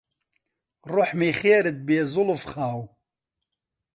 روحمی خێرت بێ زولف خاو